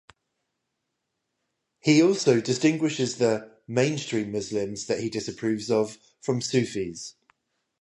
He also distinguishes the "mainstream Muslims" that he disapproves of from Sufis.